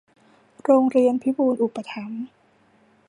โรงเรียนพิบูลย์อุปถัมภ์